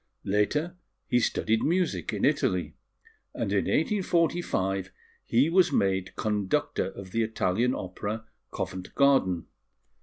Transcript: Later he studied music in Italy; and in 1845 he was made conductor of the Italian Opera, Covent Garden.